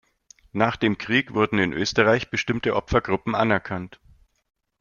Nach dem Krieg wurden in Österreich bestimmte Opfergruppen anerkannt.